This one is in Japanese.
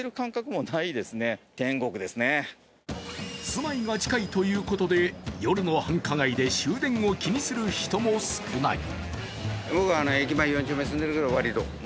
住まいが近いということで、夜の繁華街で終電を気にする人も少ない。